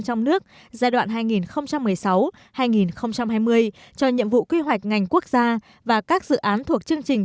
trong nước giai đoạn hai nghìn một mươi sáu hai nghìn hai mươi cho nhiệm vụ quy hoạch ngành quốc gia và các dự án thuộc chương trình